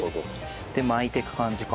巻いていく感じか。